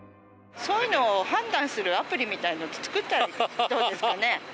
そういうのを判断するアプリみたいの作ったらどうですかね？